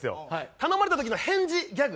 頼まれた時の返事ギャグ。